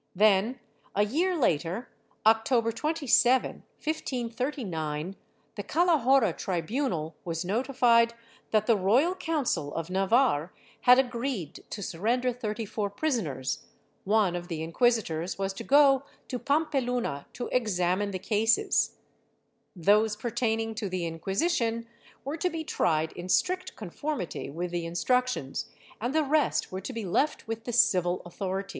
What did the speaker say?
Then, a year later, October 27, 1539, the Calahorra tribunal was notified that the Royal Council of Navarre had agreed to surrender thirty four prisoners ; one of the inquisitors was to go to Pampeluna to examine the cases; those pertaining to the Inquisition were to be tried in strict conformity with the instructions and the rest were to be left with the civil authorities.